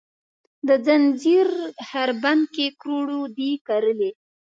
د ځنځیر هر بند کې کروړو دي کرلې،